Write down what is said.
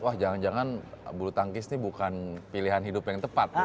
wah jangan jangan bulu tangkis ini bukan pilihan hidup yang tepat